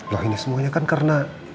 lah ini semuanya kan karena